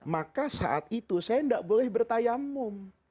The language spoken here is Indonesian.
maka saat itu saya tidak boleh bertayamum